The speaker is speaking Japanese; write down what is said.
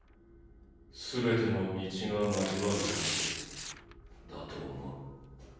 すべての「道」が交わる座標だと思う。